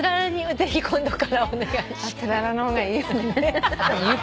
ぜひ今度からお願いします。